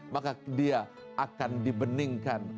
maka dia akan dibeningkan